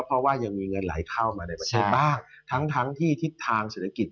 เพราะว่ามีเงินไหลเข้ามาในบางสถิติ